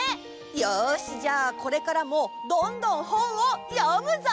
よしじゃあこれからもどんどん本を読むぞ！